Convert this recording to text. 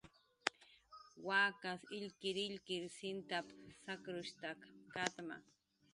"Wakas illkirillkir sintap"" sakrunshtak katma"